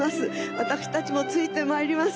私たちもついてまいります。